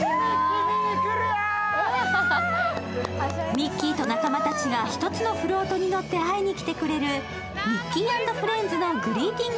ミッキーと仲間たちが１つのフロートに乗って会いにきてくれるミッキー＆フレンズのグリーティング